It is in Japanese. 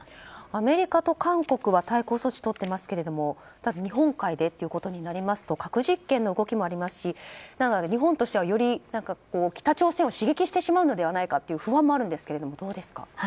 アメリカと韓国は対抗措置をとっていますがただ、日本海でということになりますと核実験の動きもありますし日本としてはより北朝鮮を刺激してしまうのではないかと不安もあるんですけどもどうですか？